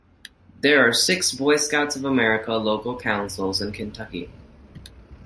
There are six Boy Scouts of America local councils in Kentucky.